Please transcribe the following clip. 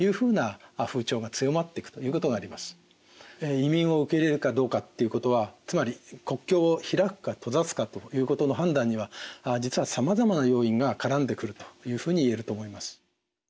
移民を受け入れるかどうかっていうことはつまり国境を開くか閉ざすかということの判断には実はさまざまな要因が絡んでくるというふうに言えると思います。